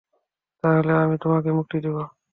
তাহলে আমি তোমাকে মুক্তি দিব।